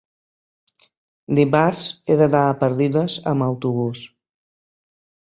dimarts he d'anar a Pardines amb autobús.